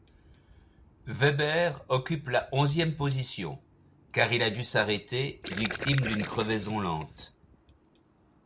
Webber occupe la onzième position car il a dû s'arrêter, victime d'une crevaison lente.